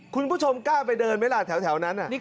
คุณผู้ชมกล้าไปเดินไหมล่ะแถวนั้น